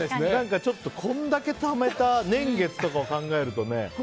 ちょっとこれだけためた年月とかを考えるとね。